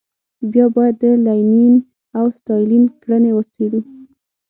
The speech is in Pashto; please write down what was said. بیا باید د لینین او ستالین کړنې وڅېړو.